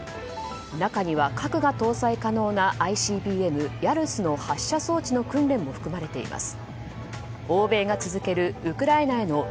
中には、核が搭載可能なＩＣＢＭヤルスの発射装置の訓練も含まれています。